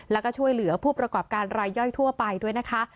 แล้วก็ช่วยเหลือผู้ประกอบการรายย่อยทั่วไปด้วยนะคะ